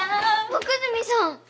奥泉さん！